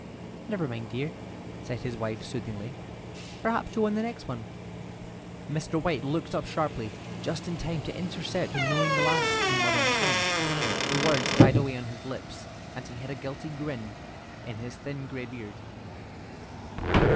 "Never mind, dear," said his wife, soothingly; "perhaps you'll win the next one." Mr. White looked up sharply, just in time to intercept a knowing glance between mother and son. The words died away on his lips, and he hid a guilty grin in his thin grey beard.